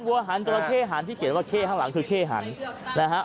วัหันจราเข้หันที่เขียนว่าเข้ข้างหลังคือเข้หันนะฮะ